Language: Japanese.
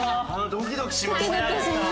ドキドキしました。